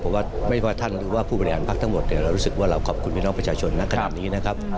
เพราะว่าไม่ว่าท่านหรือว่าผู้บริหารพักทั้งหมดเนี่ยเรารู้สึกว่าเราขอบคุณพี่น้องประชาชนนะขนาดนี้นะครับ